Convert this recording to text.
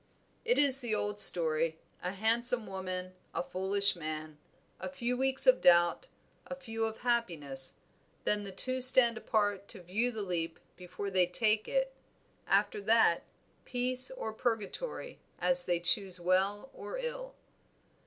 "It is the old story a handsome woman, a foolish man; a few weeks of doubt, a few of happiness; then the two stand apart to view the leap before they take it; after that, peace or purgatory, as they choose well or ill."